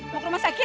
mau ke rumah sakit